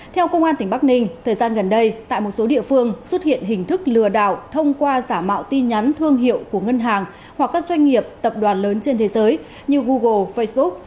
theo công an tỉnh bắc ninh thời gian gần đây tại một số địa phương xuất hiện hình thức lừa đảo thông qua giả mạo tin nhắn thương hiệu của ngân hàng hoặc các doanh nghiệp tập đoàn lớn trên thế giới như google facebook